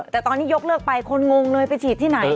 แต่ตอนนี้ยกเลิกไปคนงงเลยไปฉีดที่ไหน